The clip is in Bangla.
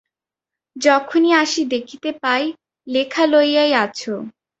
যখনি আসি দেখিতে পাই, লেখা লইয়াই আছ!